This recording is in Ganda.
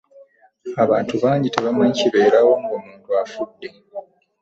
Abantu bangi tebamanyi kibeerawo ng'omuntu afudde.